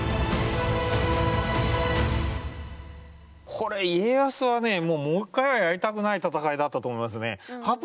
これ家康はねもうもう一回はやりたくない戦いだったと思いますね。